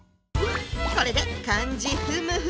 これで漢字ふむふ。